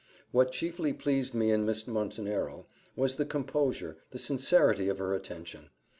What chiefly pleased me in Miss Montenero was the composure, the sincerity of her attention.